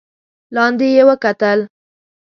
لاندې يې وکتل.